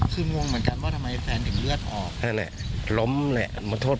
คือง่วงเหมือนกันว่าทำไมแฟนถึงเลือดออก